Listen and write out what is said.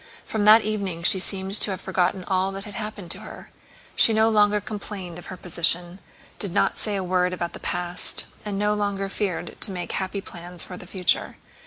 From that evening she seemed to have forgotten all that had happened to her. She no longer complained of her position, did not say a word about the past, and no longer feared to make happy plans for the future.